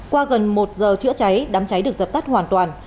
qua gần một giờ chữa cháy đám cháy được dập tắt hoàn toàn